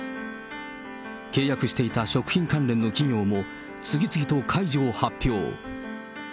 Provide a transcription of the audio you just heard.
契約していた食品関連の企業も、次々と解除を発表。